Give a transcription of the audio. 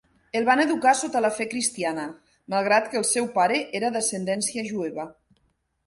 El van educar sota la fe cristiana, malgrat que el seu pare era d'ascendència jueva.